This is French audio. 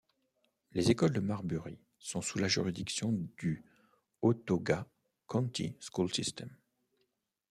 Les écoles de Marbury sont sous la juridiction du Autauga County School System.